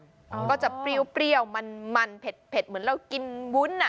มันก็จะเปรี้ยวมันเผ็ดเหมือนเรากินวุ้นอ่ะ